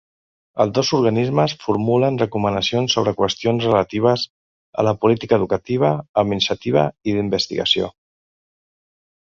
Els dos organismes formulen recomanacions sobre qüestions relatives a la política educativa, administrativa i d'investigació.